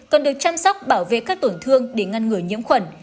cần được chăm sóc bảo vệ các tổn thương để ngăn ngừa nhiễm khuẩn